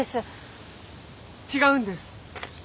違うんです。